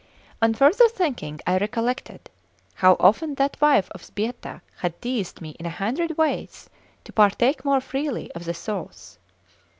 On further thinking, I recollected how often that wife of Sbietta had teased me in a hundred ways to partake more freely of the sauce.